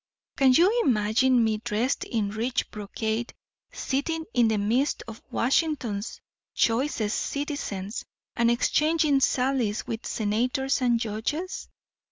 Can you imagine me dressed in rich brocade, sitting in the midst of Washington's choicest citizens and exchanging sallies with senators and judges?